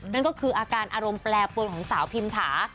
นั่นก็คืออาการอารมณ์แปรปวนของสาวพิมถา